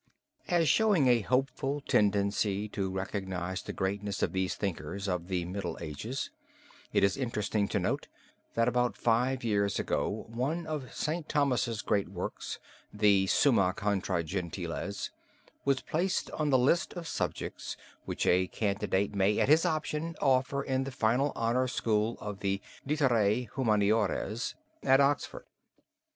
As showing a hopeful tendency to recognize the greatness of these thinkers of the Middle Ages it is interesting to note that about five years ago one of St. Thomas's great works the Summa Contra Gentiles was placed on the list of subjects which a candidate may at his option offer in the final honor school of the litterae humaniores at Oxford.